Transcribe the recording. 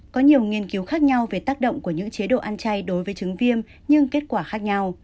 có nhiều nghiên cứu khác nhau về tác động của những chế độ ăn chay đối với chứng viêm nhưng kết quả khác nhau